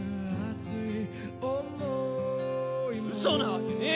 嘘なわけねえだろ！